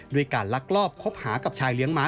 ด้วยการลักลอบคบหากับชายเลี้ยงม้า